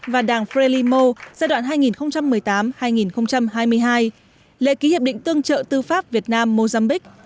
và đảng frelimo giai đoạn hai nghìn một mươi tám hai nghìn hai mươi hai lễ ký hiệp định tương trợ tư pháp việt nam mozambique